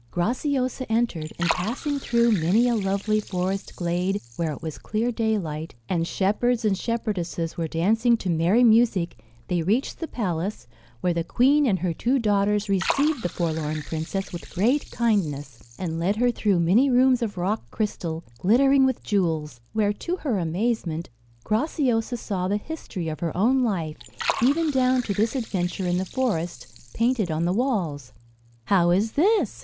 Graciosa entered, and passing through many a lovely forest glade, where it was clear daylight, and shepherds and shepherdesses were dancing to merry music, they reached the palace, where the queen and her two daughters received the forlorn princess with great kindness, and led her through many rooms of rock crystal, glittering with jewels, where, to her amazement, Graciosa saw the history of her own life, even down to this adventure in the forest, painted on the walls. "How is this?"